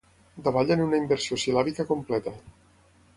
Davalla en una inversió sil·làbica completa.